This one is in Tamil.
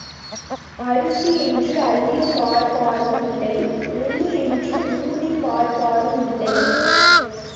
அரிசி என்று அள்ளிப் பார்ப்பாரும் இல்லை, உமி என்று ஊதிப் பார்ப்பாரும் இல்லை.